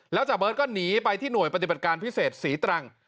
แล้วจ่าเบิร์ตก็หนีไปที่หน่วยปฏิบัติการพิเศษศรีตรัง